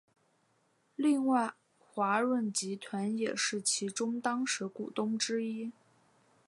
另外华润集团也是其中当时股东之一。